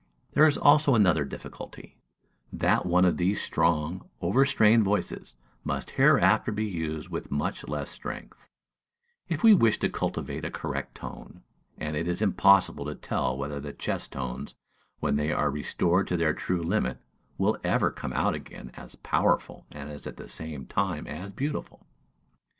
There is also another difficulty: that one of these strong, over strained voices must hereafter be used with much less strength, if we wish to cultivate a correct tone; and it is impossible to tell whether the chest tones, when they are restored to their true limit, will ever come out again as powerful and at the same time as beautiful.